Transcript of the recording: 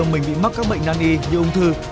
mình bị mắc các bệnh nan y như ung thư